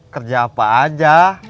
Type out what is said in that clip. kerja apa aja